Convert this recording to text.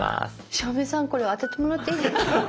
照明さんこれ当ててもらっていいですか？